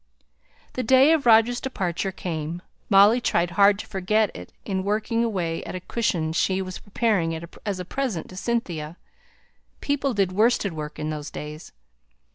The day of Roger's departure came. Molly tried hard to forget it in working away at a cushion she was preparing as a present to Cynthia; people did worsted work in those days.